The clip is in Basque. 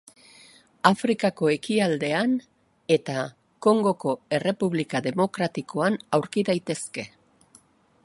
Afrikako ekialdean eta Kongoko Errepublika Demokratikoan aurki daitezke.